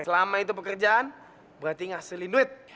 selama itu pekerjaan berarti ngasilin duit